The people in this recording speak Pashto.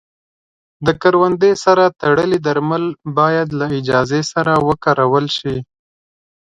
د کروندې سره تړلي درمل باید له اجازې سره وکارول شي.